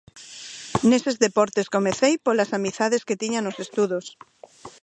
Neses deportes comecei polas amizades que tiña nos estudos.